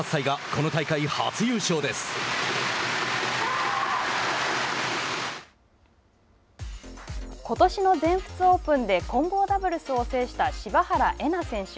ことしの全仏オープンで混合ダブルスを制した柴原瑛菜選手。